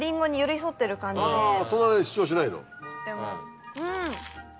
あそんなに主張しないの。